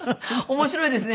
面白いですね